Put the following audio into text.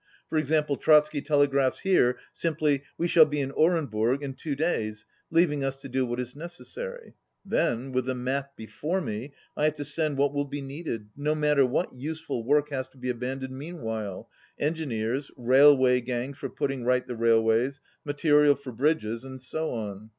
For example, Trotsky telegraphs here simply "We shall be in Orenburg in two days," leaving us to do what is necessary. Then with the map before me, I have to send what will be needed, no matter what useful work has to be abandoned meanwhile, engineers, railway gangs for putting right the railways, material for bridges, and so on.